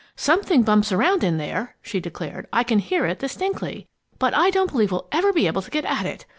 "Something bumps around in there!" she declared. "I can hear it distinctly, but I don't believe we'll ever be able to get at it.